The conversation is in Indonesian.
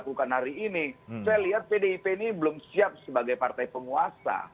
karena saya lihat pdip ini belum siap sebagai partai penguasa